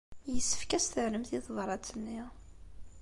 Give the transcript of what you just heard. Yessefk ad as-terremt i tebṛat-nni.